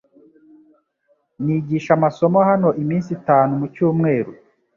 Nigisha amasomo hano iminsi itanu mucyumweru .